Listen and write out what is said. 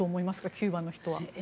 キューバの人は。